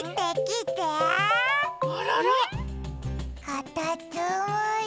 かたつむり。